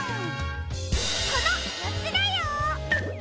このよっつだよ！